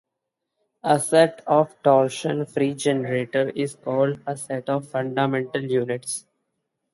A set of torsion-free generators is called a set of "fundamental units".